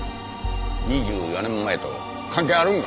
２４年前と関係あるんか？